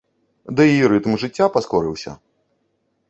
Ды і рытм жыцця паскорыўся.